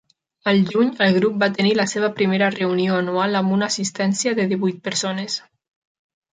Al juny, el grup va tenir la seva primera reunió anual amb una assistència de divuit persones.